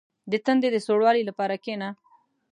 • د تندي د سوړوالي لپاره کښېنه.